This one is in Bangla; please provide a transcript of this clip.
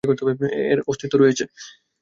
এর অস্তিত্ব রয়েছে।